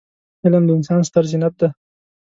علم د انسان ستره زينت دی.